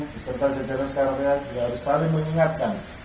dr ds jejeran sekarangria juga harus saling mengingatkan